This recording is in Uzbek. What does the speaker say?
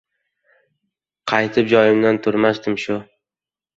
Qaytib joyimdan turmasdim! Shu!